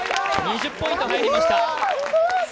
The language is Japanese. ２０ポイント入りました。